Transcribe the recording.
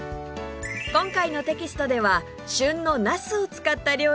今回のテキストでは旬のなすを使った料理を特集